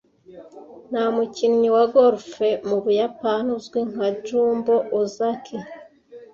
Nta mukinnyi wa golf mu Buyapani uzwi nka Jumbo Ozaki.